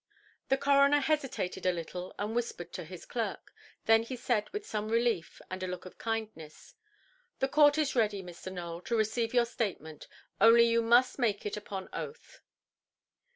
The coroner hesitated a little, and whispered to his clerk. Then he said with some relief, and a look of kindness— "The court is ready, Mr. Nowell, to receive your statement. Only you must make it upon oath".